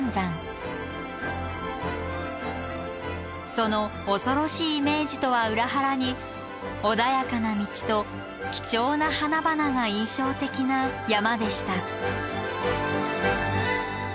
その恐ろしいイメージとは裏腹に穏やかな道と貴重な花々が印象的な山でした。